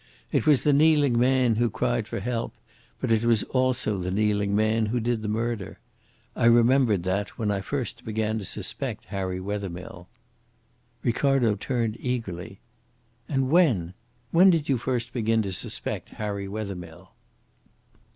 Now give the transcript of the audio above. It was the kneeling man who cried for help, but it was also the kneeling man who did the murder. I remembered that when I first began to suspect Harry Wethermill." Ricardo turned eagerly. "And when when did you first begin to suspect Harry Wethermill?"